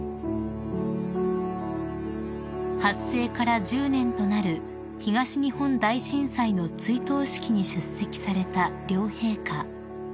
［発生から１０年となる東日本大震災の追悼式に出席された両陛下］